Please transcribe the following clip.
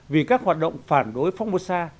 vì các hoạt động phản đối phong bồ sa